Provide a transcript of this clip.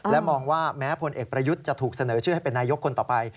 และมองว่าแม้ผลเอกประยุทธ์เสนอให้เป็นนายกคนต่อไป